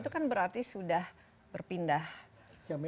itu kan berarti sudah berpindah